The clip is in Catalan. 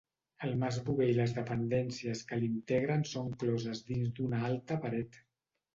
El mas Bover i les dependències que l'integren són closes dins d'una alta paret.